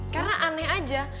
karena aneh aja